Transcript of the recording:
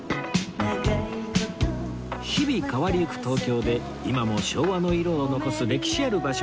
日々変わりゆく東京で今も昭和の色を残す歴史ある場所を巡る旅